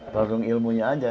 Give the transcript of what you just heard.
terutama ilmunya saja